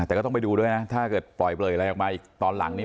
แต่ก็ต้องไปดูด้วยนะถ้าเกิดปล่อยอะไรออกมาอีกตอนหลังนี้